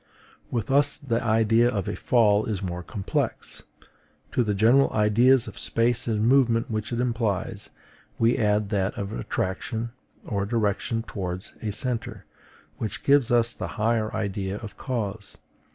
With us the idea of a fall is more complex: to the general ideas of space and movement which it implies, we add that of attraction or direction towards a centre, which gives us the higher idea of cause.